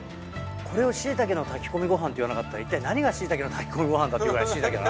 これを椎茸の炊き込みご飯っていわなかったら一体何が椎茸の炊き込みご飯かっていうぐらい椎茸だな。